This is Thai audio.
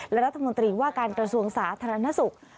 และรัฐมนตรีว่าการกระทรวงสาธารณสุข